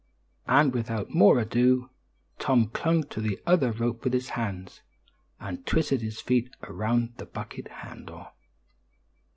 And without more ado, Tom clung to the other rope with his hands, and twisted his feet around the bucket handle.